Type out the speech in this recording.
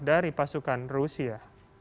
dari pasukan rusia